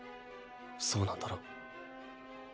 そうなんだろ？